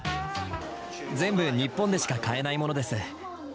全部日本でしか買えないものです。